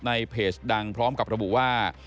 ในเพจดังพร้อมกับระบุว่า